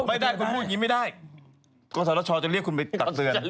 ไม่ได้คุณพูดอย่างนี้ไม่ได้กศชจะเรียกคุณไปตักเตือน